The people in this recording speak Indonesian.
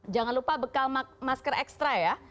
jangan lupa bekal masker ekstra ya